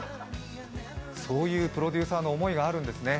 そういうプロデューサーの思いがあるんですね。